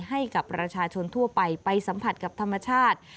ให้กับประชาชนทั่วไปไปสัมผัสกับธรรมชาติ